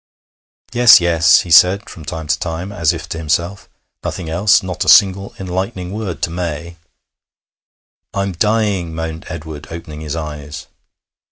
'Yes, yes,' he said, from time to time, as if to himself; nothing else; not a single enlightening word to May. 'I'm dying,' moaned Edward, opening his eyes.